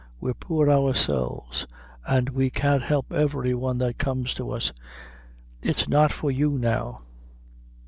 We're poor ourselves, and we can't help every one that comes to us. It's not for you now."